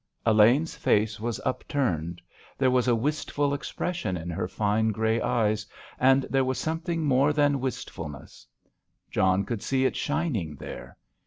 Elaine's face was upturned; there was a wistful expression in her fine, grey eyes, and there was something more than wistfulness. John could see it shining there.